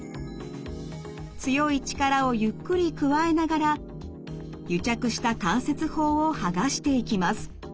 強い力をゆっくり加えながら癒着した関節包をはがしていきます。